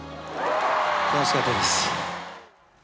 楽しかったです。